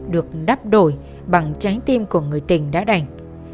được đắp đổi bằng trái tim của người tình đã đành